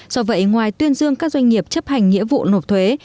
do vậy ngoài tuyên dương các doanh nghiệp chấp hành nghĩa vụ nộp thuế